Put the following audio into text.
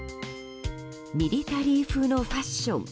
ミリタリー風のファッション。